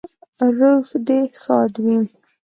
روح دې ښاد وي